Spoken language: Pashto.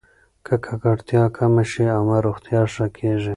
که ککړتیا کمه شي، عامه روغتیا ښه کېږي.